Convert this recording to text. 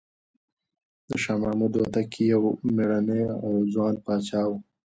شاه محمود هوتک یو مېړنی او ځوان پاچا و.